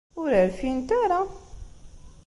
Ur rfint ara.